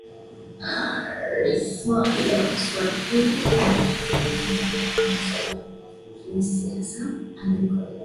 rfi ya kiswahili imemtafuta mchanganuzi wa maswala ya kisiasa andrew okoit omutata